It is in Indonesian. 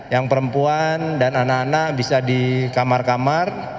yang perempuan dan anak anak bisa di kamar kamar